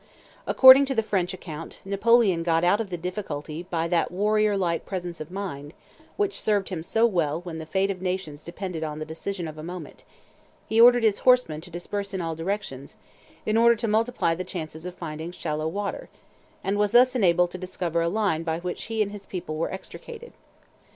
According to the French account, Napoleon got out of the difficulty by that warrior like presence of mind which served him so well when the fate of nations depended on the decision of a moment—he ordered his horsemen to disperse in all directions, in order to multiply the chances of finding shallow water, and was thus enabled to discover a line by which he and his people were extricated.